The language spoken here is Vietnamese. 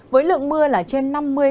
với lượng mưa là trên năm mươi